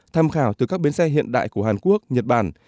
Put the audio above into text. tham khảo từ các bến xe hiện đại của hàn quốc nhật bản